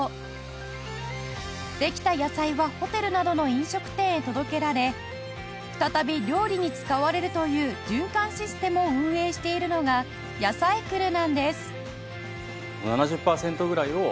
できた野菜はホテルなどの飲食店へ届けられ再び料理に使われるという循環システムを運営しているのがヤサイクルなんです